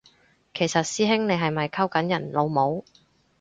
其實師兄你係咪溝緊人老母？